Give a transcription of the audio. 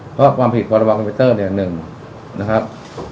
เพราะว่าความผิดพอร์ตระวักกัมพิวเตอร์เนี่ยหนึ่งนะครับ